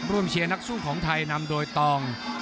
เชียร์นักสู้ของไทยนำโดยตอง